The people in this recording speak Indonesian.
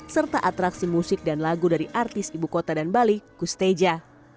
serta atraksi musik dan lagu dari artis ibu kota dan bali kusteja